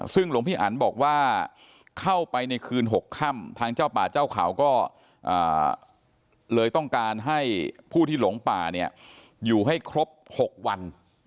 ซึ่งหลวงพี่อันบอกว่าเข้าไปในคืน๖ค่ำทางเจ้าป่าเจ้าเขาก็เลยต้องการให้ผู้ที่หลงป่าเนี่ยอยู่ให้ครบ๖วัน